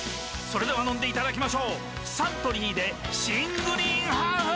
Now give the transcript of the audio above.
それでは飲んでいただきましょうサントリーで新「グリーンハーフ」！